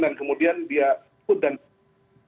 dan kemudian dia ikut dan ikut